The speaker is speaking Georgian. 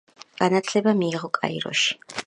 განათლება მიიღო კაიროში.